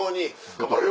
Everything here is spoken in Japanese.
頑張れよ！